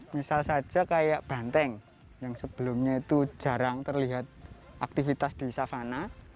misal saja kayak banteng yang sebelumnya itu jarang terlihat aktivitas di savana